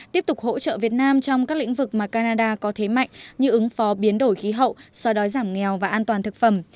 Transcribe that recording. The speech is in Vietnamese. tiếp tục hỗ trợ việt nam trong các lĩnh vực mà canada có thế mạnh như ứng phó biến đổi khí hậu so đói giảm nghèo và an toàn thực phẩm